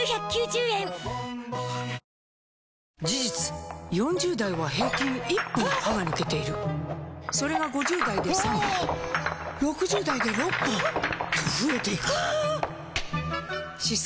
事実４０代は平均１本歯が抜けているそれが５０代で３本６０代で６本と増えていく歯槽